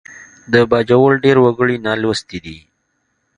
د باجوړ ډېر وګړي نالوستي دي